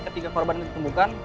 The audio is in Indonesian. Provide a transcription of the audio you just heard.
ketika korban ditemukan